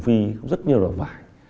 vâng đúng ạ